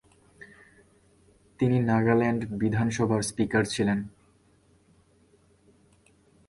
তিনি নাগাল্যান্ড বিধানসভার স্পিকার ছিলেন।